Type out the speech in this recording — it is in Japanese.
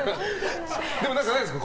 でも、何かないですか？